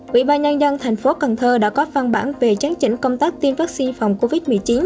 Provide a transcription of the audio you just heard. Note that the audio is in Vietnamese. quỹ ba nhân dân thành phố cần thơ đã có văn bản về chắn chỉnh công tác tiêm vaccine phòng covid một mươi chín